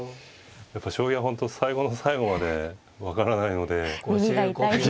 やっぱ将棋は本当最後の最後まで分からないので。